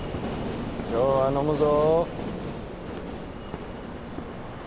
今日は飲むぞ！